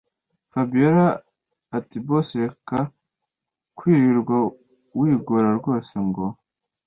Fabiora atiboss reka kwirirwa wigora rwose ngo